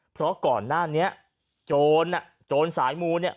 เพราะก่อนหน้านี้โจรอ่ะโจรสายมูเนี่ย